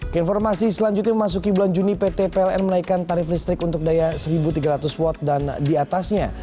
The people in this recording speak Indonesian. keinformasi selanjutnya memasuki bulan juni pt pln menaikkan tarif listrik untuk daya satu tiga ratus watt dan diatasnya